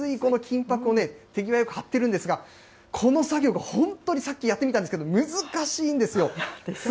これ、１万分の１ミリという本当に薄いこの金ぱくを手際よく貼ってるんですが、この作業が本当にさっきやってみたんですけれども、難しいんですよ。